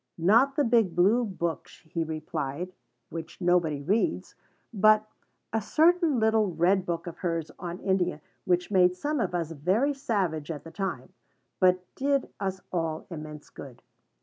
Not the big Blue book, he replied, which nobody reads, but "a certain little red book of hers on India which made some of us very savage at the time, but did us all immense good."